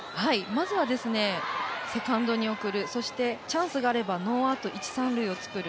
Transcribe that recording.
まずは、セカンドに送るそしてチャンスがあればノーアウト、一・三塁を作る。